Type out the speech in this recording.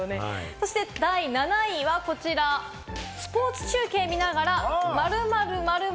そして第７位はこちら、スポーツ中継見ながら〇〇〇〇